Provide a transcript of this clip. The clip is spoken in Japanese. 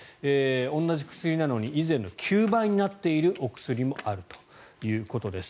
同じ薬なのに以前の９倍になっているお薬もあるということです。